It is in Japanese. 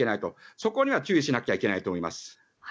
そこには注意しないといけないと思います。